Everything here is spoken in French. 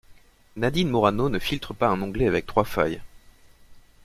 Nadine Morano ne filtre pas un onglet avec trois failles.